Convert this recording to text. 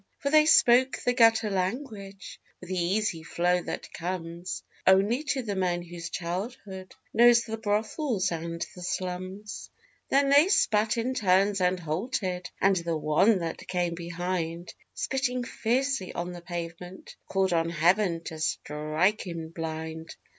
For they spoke the gutter language with the easy flow that comes Only to the men whose childhood knew the brothels and the slums. Then they spat in turns, and halted; and the one that came behind, Spitting fiercely on the pavement, called on Heaven to strike him blind.